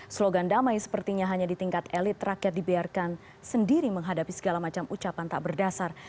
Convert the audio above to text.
slogan damai sepertinya hanya di tingkat elit rakyat dibiarkan sendiri menghadapi segala macam ucapan tak berdasar